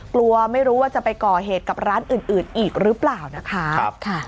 กลัวไม่รู้ว่าจะไปก่อเหตุกับร้านอื่นอีกหรือเปล่านะคะ